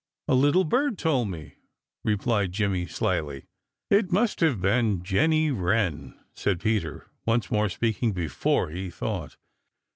"A little bird told me," replied Jimmy slyly. "It must have been Jenny Wren!" said Peter, once more speaking before he thought.